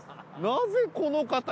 なぜこの方。